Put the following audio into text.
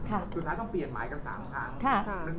สุดท้ายต้องเปลี่ยนหมายกัน๓ครั้ง